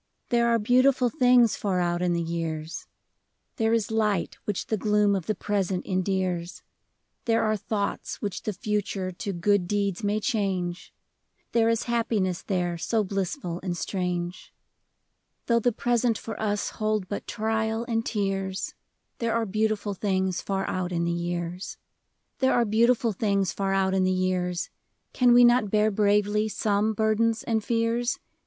There are beautiful things far out in the years : There is light which the gloom of the present endears, There are thoughts which the future to good deeds may change, There is happiness there so blissful and strange, Though the present for us hold but trial and tears, There are beautiful things far out in the years. 94 OUT IN THE YEARS. There are beautiful things far out in the years ; Can we not bear bravely some burdens and fears